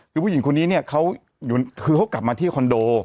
คือผู้หญิงคนนี้เนี่ยเขาคือเขากลับมาที่คอนโด